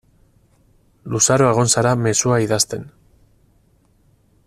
Luzaro egon zara mezua idazten.